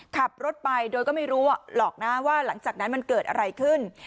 ขับรถไปโดยก็ไม่รู้หรอกนะว่าหลังจากนั้นมันเกิดอะไรขึ้น